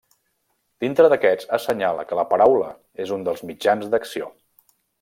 Dintre d'aquests assenyala que la paraula és un dels mitjans d'acció.